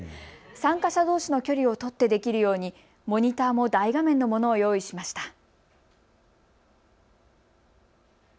参加者どうしの距離を取ってできるようにモニターも大画面のものを用意しました。